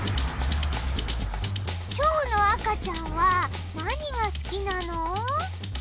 ちょうのあかちゃんはなにがすきなの？